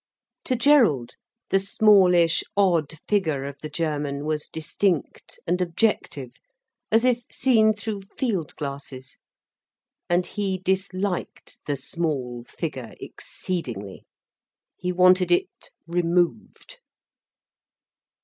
To Gerald, the smallish, odd figure of the German was distinct and objective, as if seen through field glasses. And he disliked the small figure exceedingly, he wanted it removed.